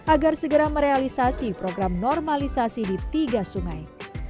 agar segera merealisasi program normalisasi di tiga sungai